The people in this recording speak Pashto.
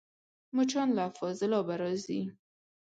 مچان له فاضلابه راځي